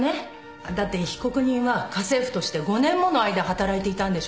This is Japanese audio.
だって被告人は家政婦として５年もの間働いていたんでしょ。